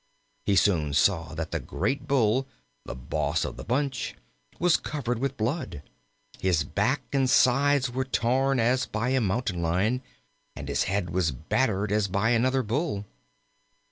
He soon saw that the great Bull, "the boss of the bunch," was covered with blood. His back and sides were torn as by a Mountain lion, and his head was battered as by another Bull.